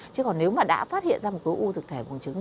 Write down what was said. chứ còn nếu mà đã phát hiện ra một khối u thực thể bùng trứng